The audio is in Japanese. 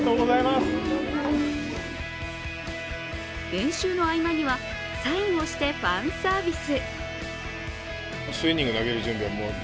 練習の合間にはサインをしてファンサービス。